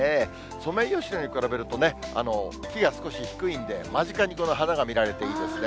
ソメイヨシノに比べると、木が少し低いんで、間近にこの花が見られていいですね。